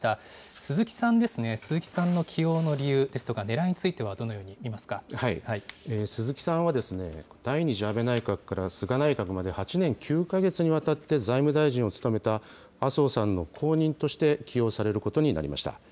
鈴木さんですね、鈴木さんの起用の理由ですとか、ねらいについて鈴木さんは、第２次安倍内閣から菅内閣まで、８年９か月にわたって財務大臣を務めた麻生さんの後任として起用されることになりました。